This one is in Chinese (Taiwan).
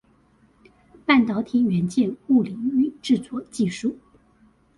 半導體元件物理與製作技術